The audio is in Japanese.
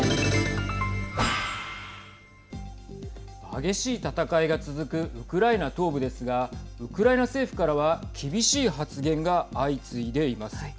激しい戦いが続くウクライナ東部ですがウクライナ政府からは厳しい発言が相次いでいます。